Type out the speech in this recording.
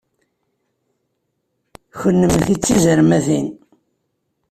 Kennemti d tizermatin!